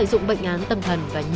đồng độ họa